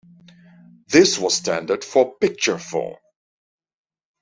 This was standard for Picturephone.